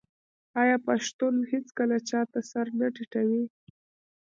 آیا پښتون هیڅکله چا ته سر نه ټیټوي؟